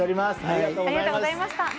ありがとうございます。